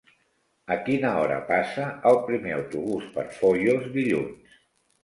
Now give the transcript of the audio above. A quina hora passa el primer autobús per Foios dilluns?